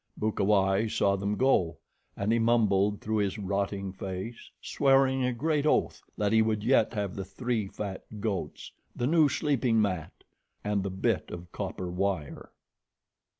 Bukawai saw them go, and he mumbled through his rotting face, swearing a great oath that he would yet have the three fat goats, the new sleeping mat, and the bit of copper wire.